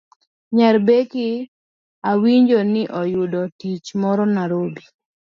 Nyar Becky awinjo ni noyudo tich moro Narobi